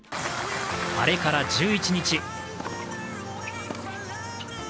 あれから１１日。